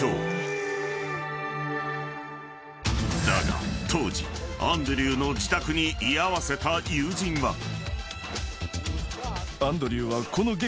［だが当時アンドリューの自宅に居合わせた友人は］